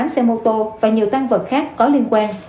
một trăm ba mươi tám xe mô tô và nhiều tăng vật khác có liên quan